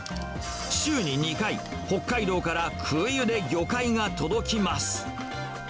週に２回、北海道から空輸で魚介が届きます。